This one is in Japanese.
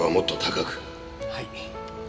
はい。